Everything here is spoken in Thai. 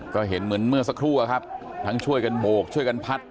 ก็เห็นเหมือนเมื่อสักครู่อะครับทั้งช่วยกันโบกช่วยกันพัด